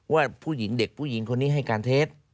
ว่าผู้หญิงเด็กผู้หญิงคนนี้ให้การเท็จ